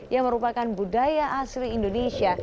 yang merupakan budaya asli indonesia